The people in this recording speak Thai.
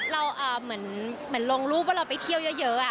เหมือนลงรูปว่าเราไปเที่ยวเยอะ